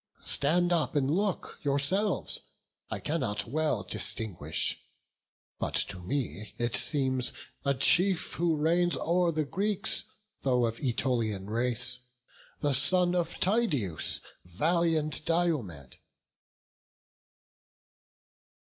Stand up, and look yourselves; I cannot well Distinguish; but to me it seems a chief, Who reigns o'er Greeks, though of Ætolian race, The son of Tydeus, valiant Diomed."